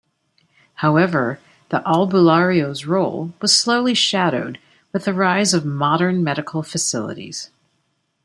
However, the albularyo's role was slowly shadowed with the rise of modern medical facilities.